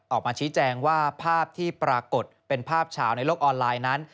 ออกมาชี้แจงว่าภาพที่ปรากฏเป็นภาพชาวในโลกออนไลน์นั้น